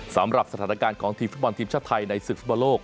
สำหรับสถานการณ์ของทีมฟุตบอลทีมชาติไทยในศึกฟุตบอลโลก